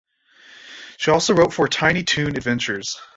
She also wrote for "Tiny Toon Adventures".